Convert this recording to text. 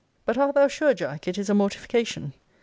But art thou sure, Jack, it is a mortification?